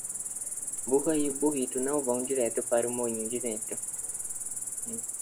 Burra e burrito não vão direto para o moinho de vento.